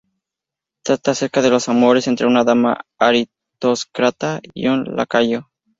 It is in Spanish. Trata acerca de los amores entre una dama aristócrata y un lacayo.